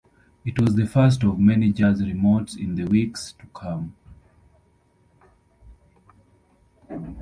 It was the first of many jazz remotes in the weeks to come.